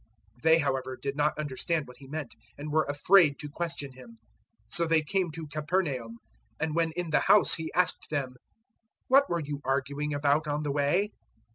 009:032 They, however, did not understand what He meant, and were afraid to question Him. 009:033 So they came to Capernaum; and when in the house He asked them, "What were you arguing about on the way?"